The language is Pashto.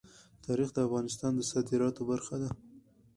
تاریخ د افغانستان د صادراتو برخه ده.